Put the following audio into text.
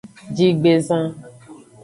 Jigbezan.